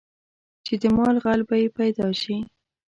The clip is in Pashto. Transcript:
چې د مال غل به یې پیدا شي.